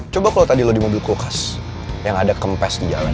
coba kalau tadi lo di mobil kulkas yang ada kempes di jalan